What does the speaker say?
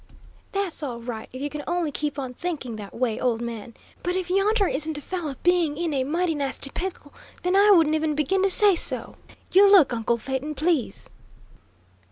"That's all right, if you can only keep on thinking that way, old man; but if yonder isn't a fellow being in a mighty nasty pickle, then I wouldn't even begin to say so! And you look, uncle Phaeton, please."